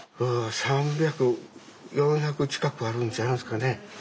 ３００４００近くあるんちゃいますかね。